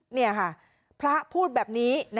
นี่ค่ะพระพูดแบบนี้